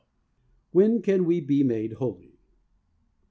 IV WHEN CAN WE BE MADE HOLY